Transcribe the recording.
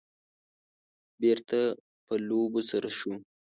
بېرته په لوبو سر شو.